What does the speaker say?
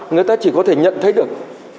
người ta chỉ có thể nhận thấy được